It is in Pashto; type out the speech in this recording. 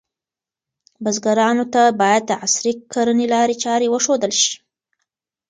بزګرانو ته باید د عصري کرنې لارې چارې وښودل شي.